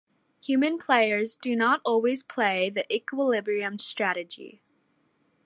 Human players do not always play the equilibrium strategy.